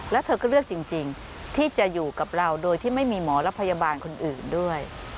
แล้วเธอก็เลือกจริงที่จะอยู่กับเราโดยที่ไม่มีหมอและพยาบาลคนอื่นด้วย